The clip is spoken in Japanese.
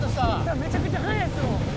めちゃくちゃ速いですみんな。